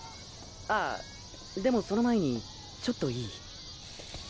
ああでもその前にちょっといい？